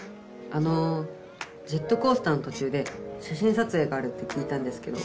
あのジェットコースターのとちゅうで写真撮影があるって聞いたんですけど。